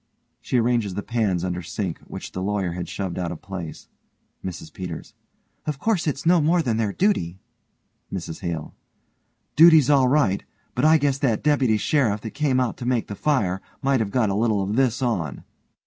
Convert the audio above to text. (She arranges the pans under sink which the LAWYER had shoved out of place.) MRS PETERS: Of course it's no more than their duty. MRS HALE: Duty's all right, but I guess that deputy sheriff that came out to make the fire might have got a little of this on.